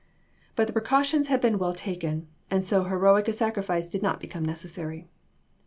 But the precautions had been well taken, and so heroic a sacrifice did not become necessary.